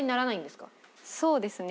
そうですね。